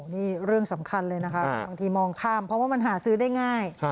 นี่เรื่องสำคัญเลยนะคะบางทีมองข้ามเพราะว่ามันหาซื้อได้ง่าย